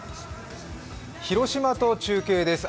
広島と中継です。